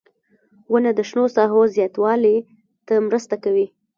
• ونه د شنو ساحو زیاتوالي ته مرسته کوي.